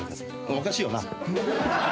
おかしいよな？